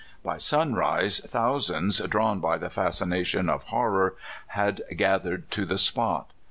By sunrise thousands, drawn by the fascination of horror, had gathered to the spot.